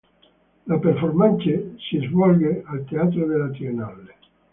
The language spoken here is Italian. La performance si svolge al Teatro della Triennale.